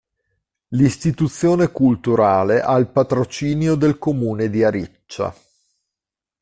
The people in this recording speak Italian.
L'istituzione culturale ha il patrocinio del Comune di Ariccia.